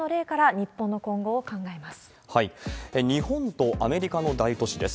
日本とアメリカの大都市です。